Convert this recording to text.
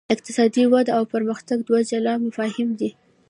اقتصادي وده او پرمختګ دوه جلا مفاهیم دي.